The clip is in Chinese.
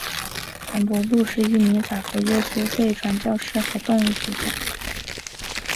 韩伯禄是一名法国耶稣会传教士和动物学家。